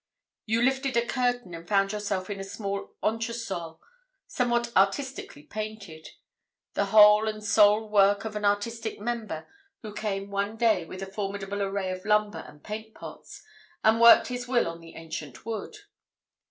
You lifted a curtain and found yourself in a small entresol, somewhat artistically painted—the whole and sole work of an artistic member who came one day with a formidable array of lumber and paint pots and worked his will on the ancient wood.